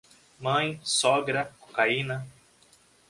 Mãe, sogra, cocaína.